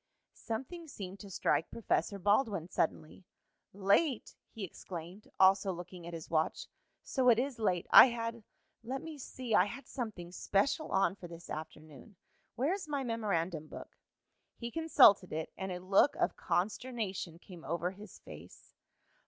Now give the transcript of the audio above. Something seemed to strike Professor Baldwin suddenly. "Late!" he exclaimed, also looking at his watch. "So it is late. I had let me see I had something special on for this afternoon. Where is my memorandum book?" He consulted it, and a look of consternation came over his face.